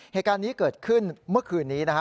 เหตุการณ์นี้เกิดขึ้นเมื่อคืนนี้นะฮะ